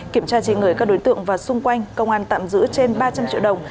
kiểm tra trên người các đối tượng và xung quanh công an tạm giữ trên ba trăm linh triệu đồng